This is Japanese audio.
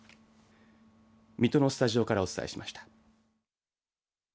水戸のスタジオからお伝えしました。